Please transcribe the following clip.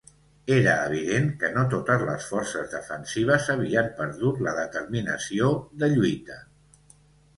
Era evident que no totes les forces defensives havien perdut la determinació de lluita.